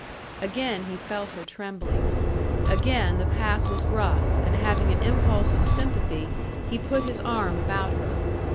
Again he felt her trembling. Again the path was rough, and having an impulse of sympathy, he put his arm about her.